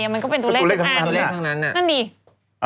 มันก็เป็นตัวเลขทั้งนั้น